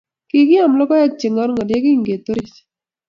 Kikiam logoek che ng'orng'or yekingetorech.